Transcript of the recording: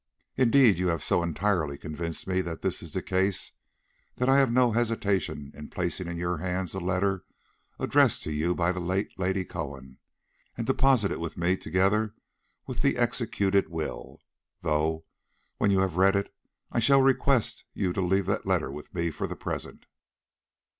Indeed you have so entirely convinced me that this is the case, that I have no hesitation in placing in your hands a letter addressed to you by the late Lady Cohen, and deposited with me together with the executed will; though, when you have read it, I shall request you to leave that letter with me for the present.